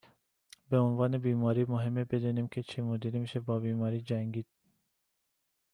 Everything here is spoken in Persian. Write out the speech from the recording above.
به عنوان بیمار مهمه بدونیم که چه مدلی میشه با بیماری جنگید